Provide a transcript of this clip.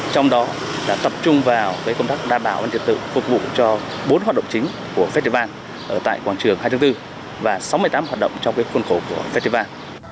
trong đó đã tập trung vào công tác đảm bảo an triệt tự phục vụ cho bốn hoạt động chính của festival ở tại quảng trường hai tháng bốn và sáu mươi tám hoạt động trong khuôn khổ của festival